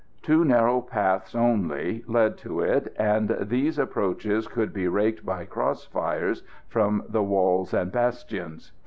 Two narrow paths only led to it, and these approaches could be raked by cross fires from the walls and bastions.